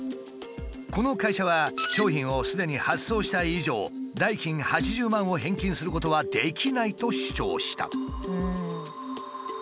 この会社は「商品をすでに発送した以上代金８０万を返金することはできない」と主張した。